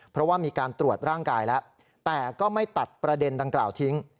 เพราะว่ามีการตรวจร่างกายแล้วแต่ก็ไม่ตัดประเด็นดังกล่าวทิ้ง